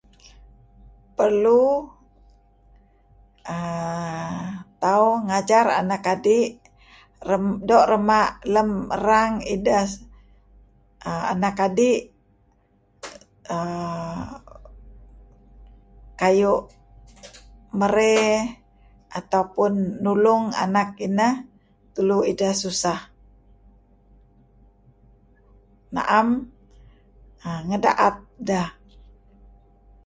Perlu [ahh} tauh ngajar anak adi' doo' rema' lem erang idah anak adi' ahh kayu' merey atau pun nulung anak inah tulu idehsusah. Na'em ngeda'et deh.